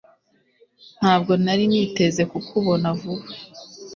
Ntabwo nari niteze kukubona vuba